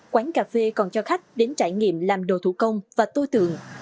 quán cà phê còn cho khách đến trải nghiệm làm đồ thủ công và tô tượng